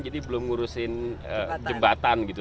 jadi belum ngurusin jembatan gitu